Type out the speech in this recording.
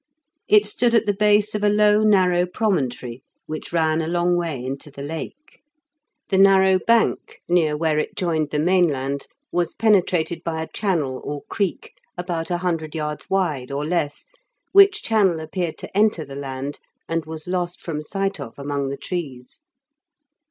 It stood at the base of a low narrow promontory, which ran a long way into the Lake. The narrow bank, near where it joined the mainland, was penetrated by a channel or creek, about a hundred yards wide, or less, which channel appeared to enter the land and was lost from sight of among the trees.